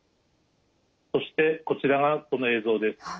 そしてこちらがその映像です。